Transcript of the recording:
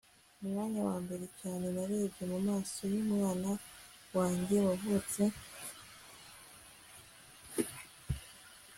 Umwanya wambere cyane narebye mumaso yumwana wanjye wavutse